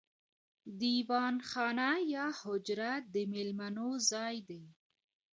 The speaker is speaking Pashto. دیوان خانه یا حجره د میلمنو ځای دی.